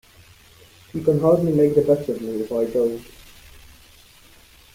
You can hardly make the best of me if I don't.